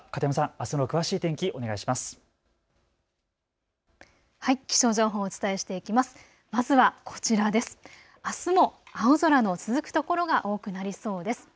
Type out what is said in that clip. あすも青空の続く所が多くなりそうです。